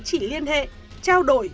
chỉ liên hệ trao đổi